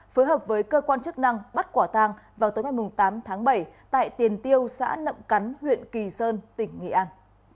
phối hợp với cơ quan chức năng bắt quả tang vào tối ngày tám tháng bảy tại tiền tiêu xã nậm cắn huyện kỳ sơn tỉnh nghệ an